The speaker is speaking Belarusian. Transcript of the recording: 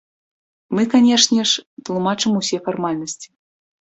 Мы, канешне ж, тлумачым усе фармальнасці.